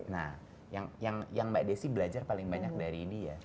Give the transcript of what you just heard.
nah yang mbak desi belajar paling banyak dari ini ya